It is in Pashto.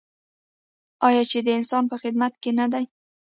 آیا چې د انسان په خدمت کې نه دی؟